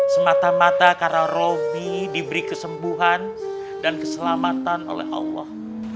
semata mata karena robi diberi kesembuhan dan keselamatan oleh allah